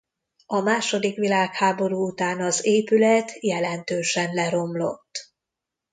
A második világháború után az épület jelentősen leromlott.